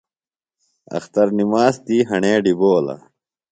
اختر نِماس تی ہݨے ڈِبولہ۔